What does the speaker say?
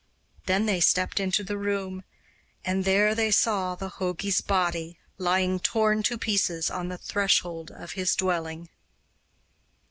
Then they stepped into the room, and there they saw the jogi's body lying torn to pieces on the threshold of his dwelling!